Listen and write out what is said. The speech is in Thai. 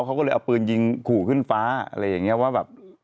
เขาก็เลยเอาปืนยิงขู่ขึ้นฟ้าอะไรอย่างนี้ว่าแบบ